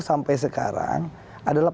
sampai sekarang adalah